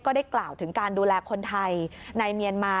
ได้กล่าวถึงการดูแลคนไทยในเมียนมา